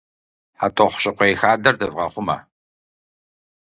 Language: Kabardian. ХьэтӀохъущыкъуей хадэр дывгъэхъумэ!